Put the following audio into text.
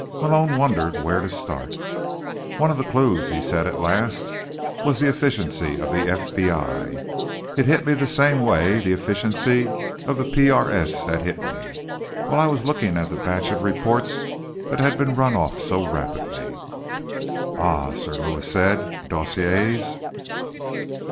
Malone wondered where to start. "One of the clues," he said at last, "was the efficiency of the FBI. It hit me the same way the efficiency of the PRS had hit me, while I was looking at the batch of reports that had been run off so rapidly." "Ah," Sir Lewis said. "The dossiers."